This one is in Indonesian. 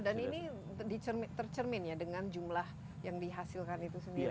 jadi tercermin ya dengan jumlah yang dihasilkan itu sendiri ya